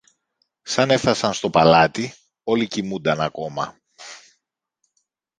Σαν έφθασαν στο παλάτι, όλοι κοιμούνταν ακόμα.